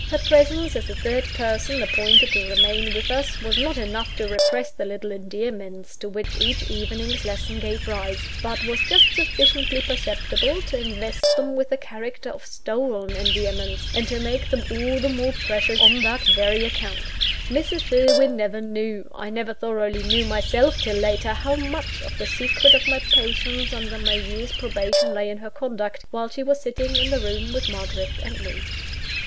Her presence, as the third person appointed to remain with us, was not enough to repress the little endearments to which each evening's lesson gave rise; but was just sufficiently perceptible to invest them with the character of stolen endearments, and to make them all the more precious on that very account. Mrs. Sherwin never knew, I never thoroughly knew myself till later, how much of the secret of my patience under my year's probation lay in her conduct, while she was sitting in the room with Margaret and me.